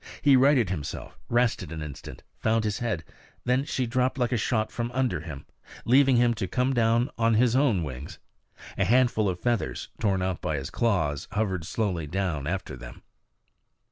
He righted himself, rested an instant, found his head; then she dropped like a shot from under him, leaving him to come down on his own wings. A handful of feathers, torn out by his claws, hovered slowly down after them.